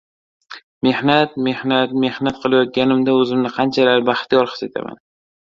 Mehnat, mehnat! Mehnat qilayotganimda o‘zimni qanchalar baxtiyor his etaman.